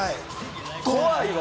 怖いわ。